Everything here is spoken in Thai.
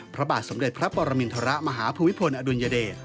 พระบาทสมเด็จพระปรมินทรมาฮภูมิพลอดุลยเดช